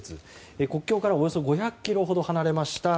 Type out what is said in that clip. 国境からおよそ５００ｋｍほど離れました